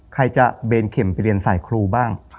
ใครจะเบนเข็มไปเรียนสายครูบ้าง